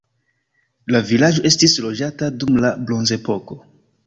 La vilaĝo estis loĝata dum la bronzepoko.